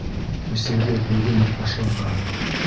КҮСЕҮҘЕ БӨГӨН ҮК БАШЛАРҒА.